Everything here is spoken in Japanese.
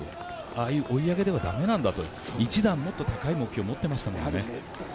ああいう追い上げではだめなんだと一段もっと高い目標を持っていましたね。